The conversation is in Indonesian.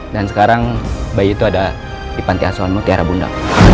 dan sekarang bayi itu ada di pantai asuhanmu tiara bunda